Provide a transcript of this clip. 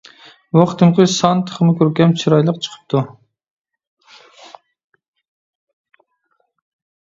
بۇ قېتىمقى سان تېخىمۇ كۆركەم، چىرايلىق چىقىپتۇ.